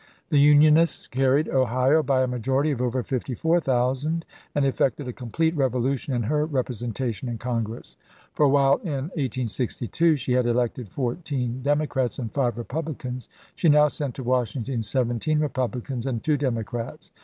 The Unionists car ried Ohio by a majority of over 54,000, and effected a complete revolution in her representation in Congress ; for while in 1862 she had elected fourteen Democrats and five Republicans, she now sent to Washington seventeen Republicans and two Demo crats.